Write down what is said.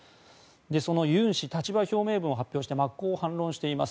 そのユン氏立場表明文を表明して真っ向反論しています。